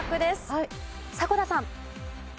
迫田さん。